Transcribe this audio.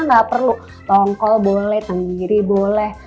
nggak perlu tongkol boleh tanggiri boleh